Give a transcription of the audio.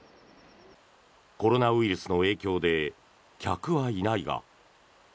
コロナウイルスの影響で客はいないが。